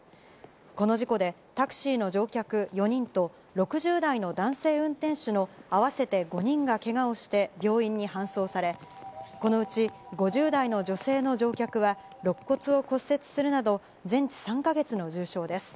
この事故で、タクシーの乗客４人と、６０代の男性運転手の合わせて５人がけがをして病院に搬送され、このうち５０代の女性の乗客は、ろっ骨を骨折するなど全治３か月の重傷です。